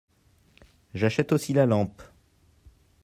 J'achète aussi la lampe.